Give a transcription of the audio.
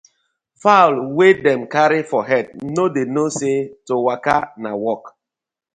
Fowl wey dem carry for head no dey know say to waka na work: